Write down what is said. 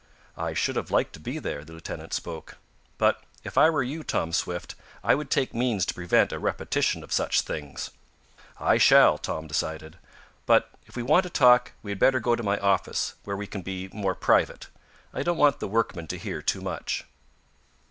"I should have liked to be here," the lieutenant spoke. "But, if I were you, Tom Swift, I would take means to prevent a repetition of such things." "I shall," Tom decided. "But, if we want to talk, we had better go to my office, where we can be more private. I don't want the workmen to hear too much."